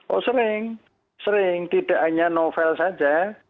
oh sering sering tidak hanya novel saja